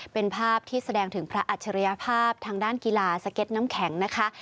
เป็นภาพที่แสดงถึงพระอัจฉริยภาพทางด้านกีฬาสเก็ตน้ำแข็งนะคะ